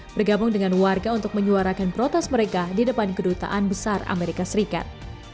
bergabung dengan warga untuk menyuarakan protes mereka di depan kedutaan besar amerika serikat